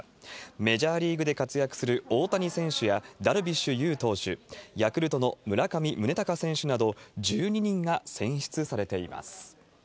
メジャーリーグで活躍する大谷選手やダルビッシュ有投手、ヤクルトの村上宗隆選手など、１２人が選出されています。